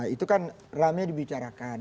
itu kan rame dibicarakan